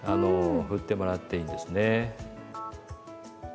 振ってもらっていいですね。